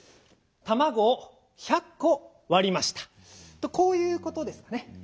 「たまごを１００こわりました」とこういうことですね？